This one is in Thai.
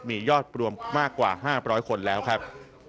มียอดรวมมากกว่า๕๐๐คนแล้วครับ